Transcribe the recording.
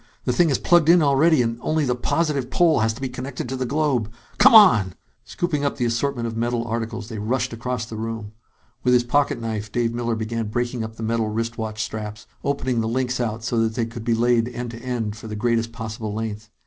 The thing is plugged in already and only the positive pole has to be connected to the globe. Come on!" Scooping up the assortment of metal articles, they rushed across the room. With his pocket knife, Dave Miller began breaking up the metal wrist watch straps, opening the links out so that they could be laid end to end for the greatest possible length.